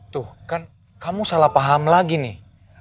tuh kan kamu salah paham lagi nih